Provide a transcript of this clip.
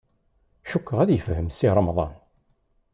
Cukkeɣ ad yefhem Si Remḍan.